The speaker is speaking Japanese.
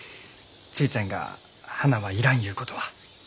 ちぃちゃんが花は要らんゆうことは。